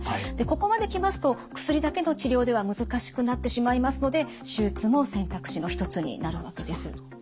ここまで来ますと薬だけの治療では難しくなってしまいますので手術も選択肢の一つになるわけです。